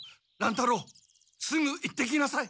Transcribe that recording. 太郎すぐ行ってきなさい！